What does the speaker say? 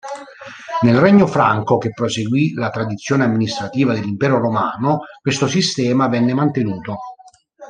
Nel regno franco, che proseguì la tradizione amministrativa dell'impero romano, questo sistema venne mantenuto.